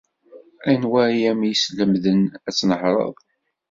Anwa ay am-yeslemden ad tnehṛed?